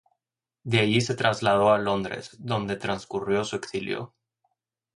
De allí se trasladó a Londres, donde transcurrió su exilio.